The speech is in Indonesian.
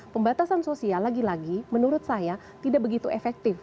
pembatasan sosial lagi lagi menurut saya tidak begitu efektif